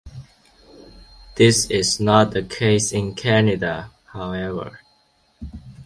This is not the case in Canada however.